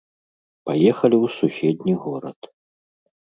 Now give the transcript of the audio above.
Паехалі ў суседні горад.